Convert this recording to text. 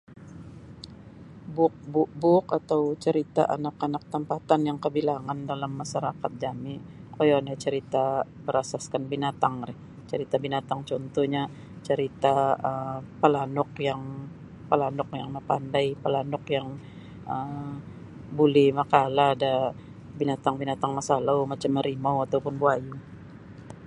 Buuk-buk buuk atau carita' anak-anak tampatan yang kabilangan dalam masarakat jami' koyo nio carita' barasaskan binatang ri carita' binatang cuntuhnya carita' um palanuk yang palanuk yang mapandai palanuk yang um buli makaalah da binatang-binatang masalau macam harimau ataupun buayu.